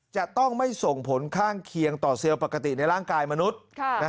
จะต้องไม่ส่งผลข้างเคียงต่อเซลล์ปกติในร่างกายมนุษย์